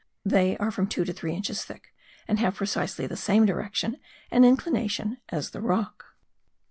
They are from two to three inches thick and have precisely the same direction and inclination as the rock.